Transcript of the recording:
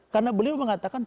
karena beliau mengatakan